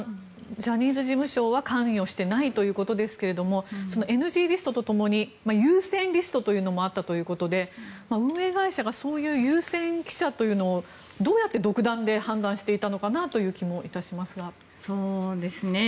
ジャニーズ事務所は関与していないということですけどもＮＧリストと共に優先リストというのもあったということで運営会社がそういう優先記者をどうやって独断で判断していたのかなという気もいたしますが。